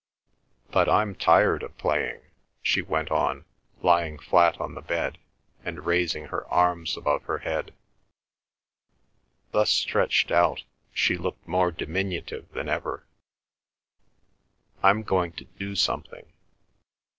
But I'm tired of playing," she went on, lying flat on the bed, and raising her arms above her head. Thus stretched out, she looked more diminutive than ever. "I'm going to do something.